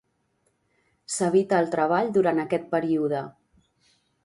S'evita el treball durant aquest període.